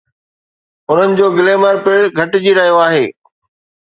انهن جو گلمر پڻ گهٽجي رهيو آهي.